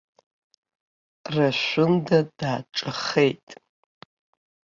Рашәында дааҿахеит.